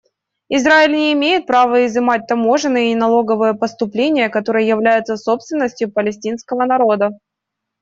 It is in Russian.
Израиль не имеет права изымать таможенные и налоговые поступления, которые являются собственностью палестинского народа.